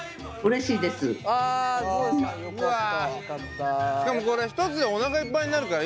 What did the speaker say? しかもこれ一つでおなかいっぱいになるからいいですね。